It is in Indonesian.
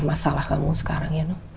masalah kamu sekarang ya nok